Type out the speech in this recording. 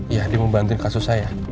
iya dia mau bantuin kasus saya